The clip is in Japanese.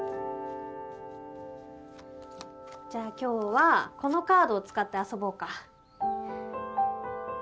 じゃあ今日はこのカードを使って遊ぼうか。